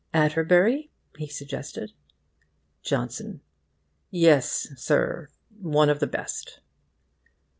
'Atterbury?' he suggested. 'JOHNSON: Yes, Sir, one of the best.